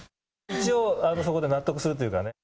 一応、そこで納得するというかね。